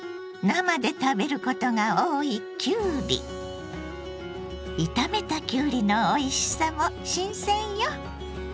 生で食べることが多い炒めたきゅうりのおいしさも新鮮よ。